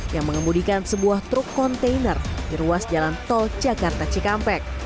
yang mengemudikan sebuah truk kontainer di ruas jalan tol jakarta cikampek